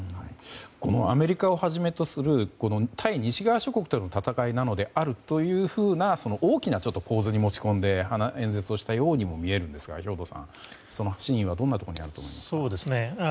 このアメリカをはじめとする、対西側諸国との戦いなのであるというふうな大きな構図に持ち込んで演説したようにもみえるんですが兵頭さんその真意はどんなところにあると思いますか。